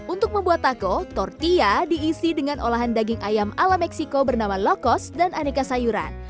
untuk membuat taco tortilla diisi dengan olahan daging ayam ala meksiko bernama low cost dan aneka sayuran